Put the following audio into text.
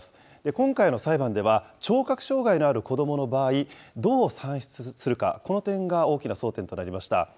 今回の裁判では、聴覚障害のある子どもの場合、どう算出するか、この点が大きな争点となりました。